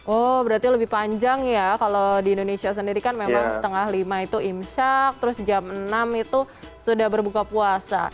oh berarti lebih panjang ya kalau di indonesia sendiri kan memang setengah lima itu imsyak terus jam enam itu sudah berbuka puasa